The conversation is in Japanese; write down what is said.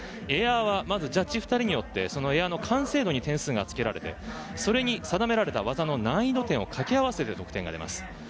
エアはジャッジ２人によってエアの完成度に点数がつけられそれに定められた技の難易度点を掛け合わせて得点が出ます。